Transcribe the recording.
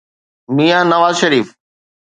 ميان Nawaz شريف.